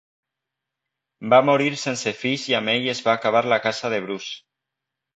Va morir sense fills i amb ell es va acabar la Casa de Bruce.